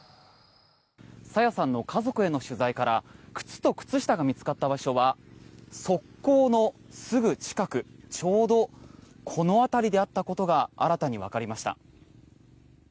朝芽さんの家族への取材から靴と靴下が見つかった場所は側溝のすぐ近くちょうどこの辺りであったことが新たにわかりました。